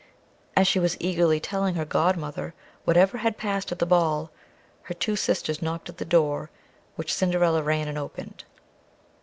As she was eagerly telling her godmother whatever had passed at the ball, her two sisters knocked at the door which Cinderilla ran and opened.